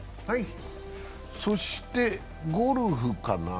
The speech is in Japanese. そしてゴルフかな。